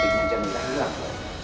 cantiknya jangan bilang bilang